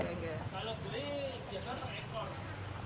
kalau beli dia kan per ekor